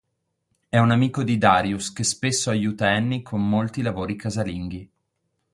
È un amico di Darius che spesso aiuta Annie con molti lavori casalinghi.